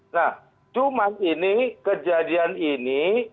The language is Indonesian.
nah cuma ini kejadian ini